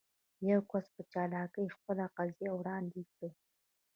يو کس په چالاکي خپله قضيه وړاندې کړي.